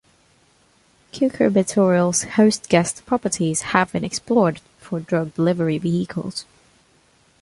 Cucurbituril's host-guest properties have been explored for drug delivery vehicles.